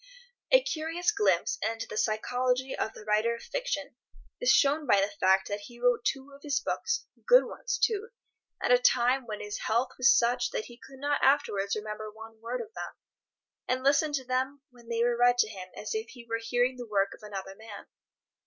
A curious glimpse into the psychology of the writer of fiction is shown by the fact that he wrote two of his books—good ones, too—at a time when his health was such that he could not afterwards remember one word of them, and listened to them when they were read to him as if he were hearing the work of another man.